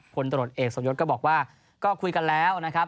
ผลตรวจเอกสมยศก็บอกว่าก็คุยกันแล้วนะครับ